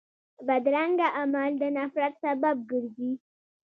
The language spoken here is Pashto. بدرنګه عمل د نفرت سبب ګرځي